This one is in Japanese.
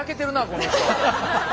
この人。